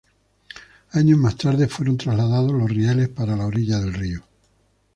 Años más tarde, fueron trasladados los rieles para la orilla del río.